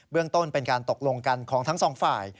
เรื่องต้นเป็นการตกลงกันของทั้งสองฝ่าย